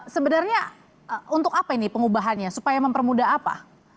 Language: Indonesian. sebenarnya untuk apa ini pengubahannya supaya mempermudah apa